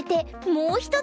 もう１つ。